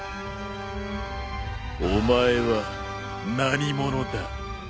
お前は何者だ？